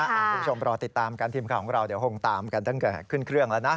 รอติดตามกันทีมข่าวของเราเดี๋ยวคงตามกันตั้งแต่ขึ้นเครื่องแล้วนะ